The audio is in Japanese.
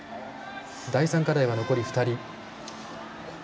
第３課題は残り２人。